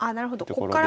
こっから。